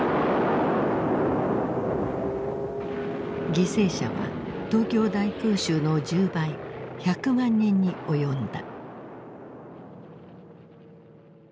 犠牲者は東京大空襲の１０倍１００万人に及んだ。